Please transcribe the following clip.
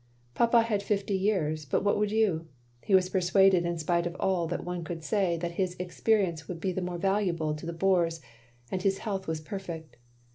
"Papa had fifty years; but what wotdd you? He was persuaded in spite of all that one could say that his experience would be the more valuable to the Boers; and his health was perfect.